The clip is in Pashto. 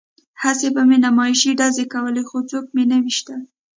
هسې به مې نمایشي ډزې کولې خو څوک مې نه ویشتل